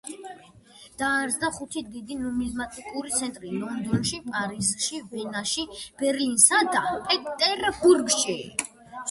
დაარსდა ხუთი დიდი ნუმიზმატიკური ცენტრი: ლონდონში, პარიზში, ვენაში, ბერლინსა და პეტერბურგში.